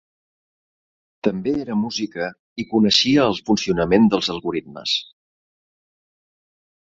També era música i coneixia el funcionament dels algorismes.